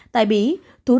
tại bỉ thủ đô